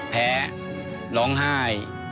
แพ้ร้องไห้